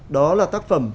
đó là tác phẩm